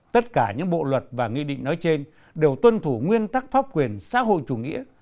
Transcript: tất cả những bộ luật và nghị định nói trên đều tuân thủ nguyên tắc pháp quyền xã hội chủ nghĩa